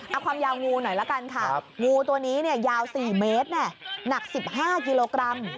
เอาความยาวงูหน่อยละกันค่ะงูตัวนี้ยาว๔เมตรหนัก๑๕กิโลกรัม